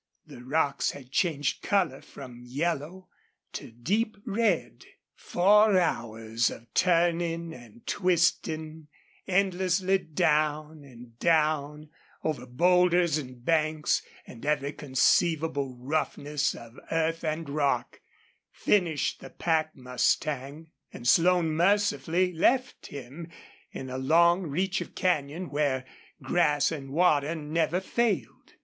The rocks had changed color from yellow to deep red. Four hours of turning and twisting, endlessly down and down, over boulders and banks and every conceivable roughness of earth and rock, finished the pack mustang; and Slone mercifully left him in a long reach of canyon where grass and water never failed.